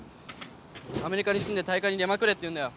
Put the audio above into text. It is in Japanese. アメリカに住んで大会に出まくれっていうんだよ。